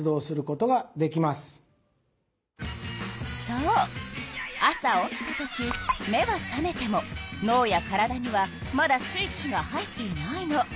そう朝起きた時目は覚めてものうや体にはまだスイッチが入っていないの。